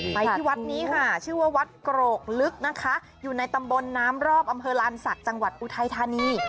ไปที่วัดนี้ค่ะชื่อว่าวัดโกรกลึกนะคะอยู่ในตำบลน้ำรอบอำเภอลานศักดิ์จังหวัดอุทัยธานี